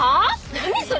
何それ。